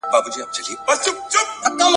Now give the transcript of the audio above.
بیا به پیر د خُم له څنګه پر سر اړوي جامونه !.